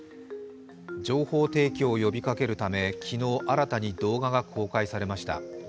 情報提供を呼びかけるため昨日、新たに動画が公開されました。